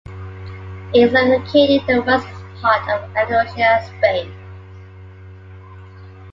It is located in the western part of Andalucia, Spain.